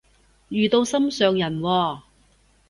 遇到心上人喎？